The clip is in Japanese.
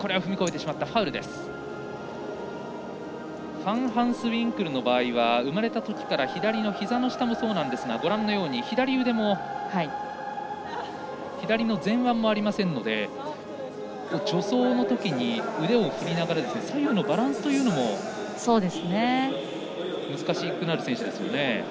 ファンハンスウィンクルの場合生まれたときから左のひざの下もそうですが左の前腕もありませんので助走のとき、腕を振りながら左右のバランスも難しくなる選手ですね。